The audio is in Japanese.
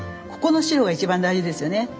ここの白が一番大事ですよね。